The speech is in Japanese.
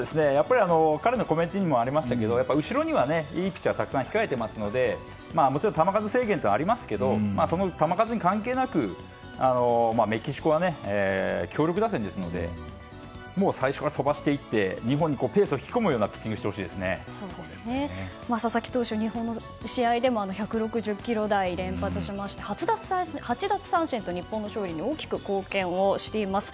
彼のコメントにもありましたが後ろにはいいピッチャーがたくさん控えていますのでもちろん球数制限はありますが球数に関係なくメキシコは強力打線ですので最初から飛ばしていって日本にペースを引き込むような佐々木投手、日本の試合でも１６０キロ台連発しまして８奪三振と日本の勝利に大きく貢献しています。